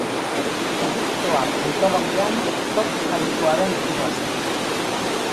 Egiptoar mitologian Tot jainkoaren ikurra zen.